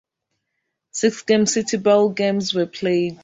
Six Gem City Bowl games were played.